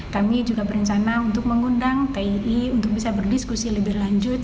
kami juga berencana untuk mengundang tii untuk bisa berdiskusi lebih lanjut